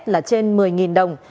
là trên một mươi đồng